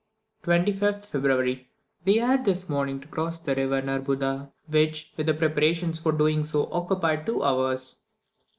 25th February. We had this morning to cross the river Nurbuda, which, with the preparations for doing so, occupied two hours.